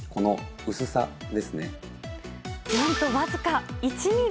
なんと僅か１ミリ。